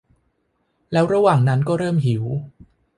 แล้วระหว่างนั้นก็เริ่มหิว